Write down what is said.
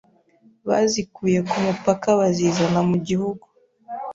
bazikuye ku mupaka bazizana mu Gihugu.”